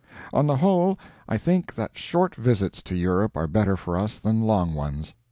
On the whole, I think that short visits to Europe are better for us than long ones.